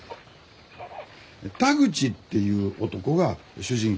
田口っていう男が主人公でね